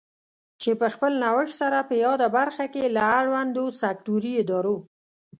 چې په خپل نوښت سره په یاده برخه کې له اړوندو سکټوري ادارو